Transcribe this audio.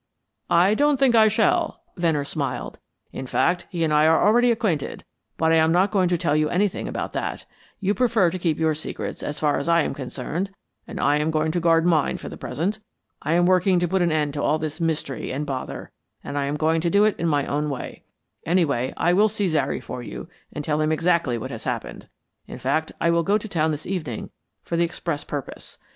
"I don't think I shall," Venner smiled. "In fact, he and I are already acquainted. But I am not going to tell you anything about that; you prefer to keep your secrets as far as I am concerned, and I am going to guard mine for the present. I am working to put an end to all this mystery and bother, and I am going to do it my own way. Anyway, I will see Zary for you and tell him exactly what has happened. In fact, I will go to town this evening for the express purpose.